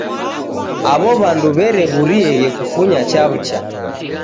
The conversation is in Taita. Aw'o w'andu w'erew'urieghe kufunya chaw'ucha